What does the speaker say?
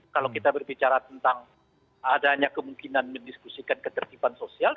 kalau kita berbicara tentang adanya kemungkinan mendiskusikan ketertiban sosial